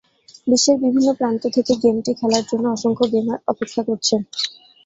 বিশ্বের বিভিন্ন প্রান্ত থেকে গেমটি খেলার জন্য অসংখ্য গেমার অপেক্ষা করছেন।